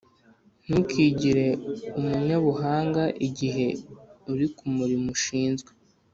Ntukigire umunyabuhanga igihe uri ku murimo ushinzwe,